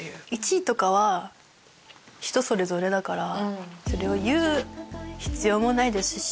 １位とかは人それぞれだからそれを言う必要もないですし。